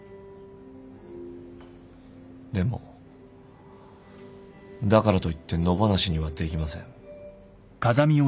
でもだからといって野放しにはできません。